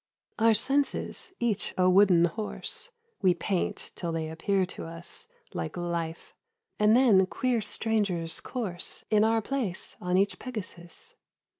Our senses, each a wooden horse, We paint till they appear to us Like life, and then queer strangers course In our place on each Pegasus.